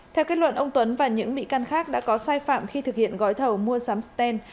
theo kết luận ông tuấn và những bị can khác đã có sai phạm khi thực hiện gói thầu mua sắm sten